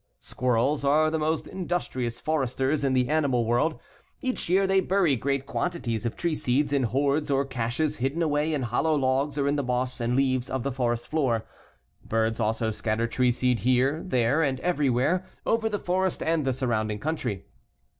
Squirrels are the most industrious foresters in the animal world. Each year they bury great quantities of tree seeds in hoards or caches hidden away in hollow logs or in the moss and leaves of the forest floor. Birds also scatter tree seed here, there, and everywhere over the forests and the surrounding country.